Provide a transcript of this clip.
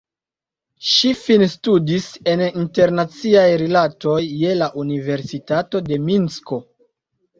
Ŝi finstudis en internaciaj rilatoj je la Universitato de Minsko.